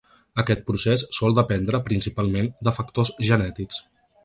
Aquest procés sol dependre, principalment, de factors genètics.